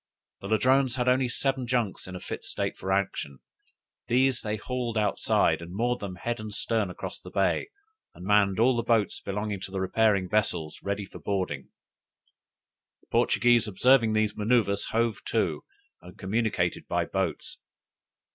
The Ladrones had only seven junks in a fit state for action; these they hauled outside, and moored them head and stern across the bay, and manned all the boats belonging to the repairing vessels ready for boarding. The Portuguese observing these manoeuvres hove to, and communicated by boats.